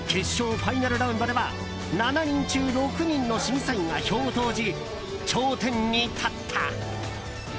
ファイナルラウンドでは７人中６人の審査員が票を投じ頂点に立った。